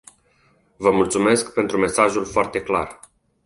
Vă mulțumesc pentru mesajul foarte clar.